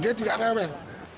jadi tidak rewel